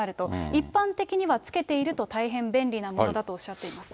一般的には付けていると大変便利なものだとおっしゃっています。